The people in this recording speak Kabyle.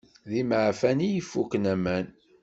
D imeɛfan i ifuken aman.